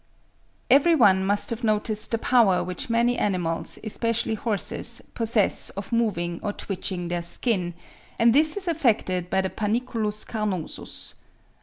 Every one must have noticed the power which many animals, especially horses, possess of moving or twitching their skin; and this is effected by the panniculus carnosus.